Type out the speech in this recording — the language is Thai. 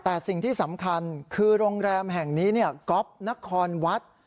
แต่สิ่งที่สำคัญคือโรงแรมแห่งนี้ก๊อฟนครวัด